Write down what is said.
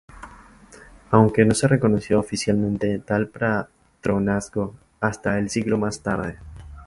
Aunque no se reconoció oficialmente tal patronazgo hasta un siglo más tarde.